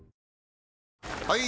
・はい！